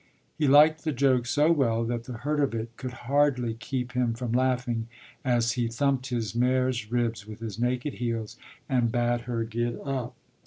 He liked the joke so well that the hurt of it could hardly keep him from laughing as he thumped his mare's ribs with his naked heels and bade her get up.